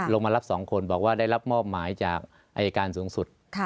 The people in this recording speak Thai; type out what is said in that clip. มารับ๒คนบอกว่าได้รับมอบหมายจากอายการสูงสุด